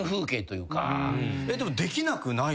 でもできなくない。